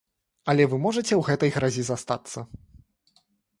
Але вы можаце ў гэтай гразі застацца.